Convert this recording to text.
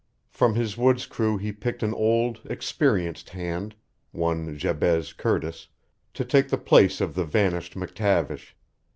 From his woods crew he picked an old, experienced hand one Jabez Curtis to take the place of the vanished McTavish.